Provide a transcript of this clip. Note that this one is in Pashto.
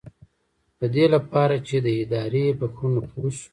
ددې لپاره چې د ادارې په کړنو پوه شو.